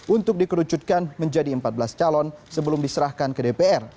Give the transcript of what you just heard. untuk dikerucutkan menjadi empat belas calon sebelum diserahkan ke dpr